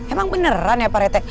emang beneran ya pak rete